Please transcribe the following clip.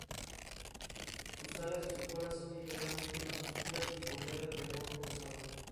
La alianza con Air France se ha desarrollado y la red se amplió.